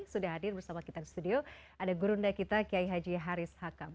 sudah hadir bersama kita di studio ada gurunda kita kiai haji haris hakam